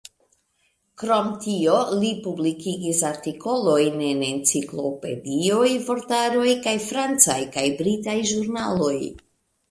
Krom tio li publikigis artikolojn en enciklopedioj, vortaroj kaj francaj kaj britaj ĵurnaloj.